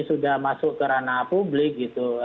sudah masuk ke ranah publik gitu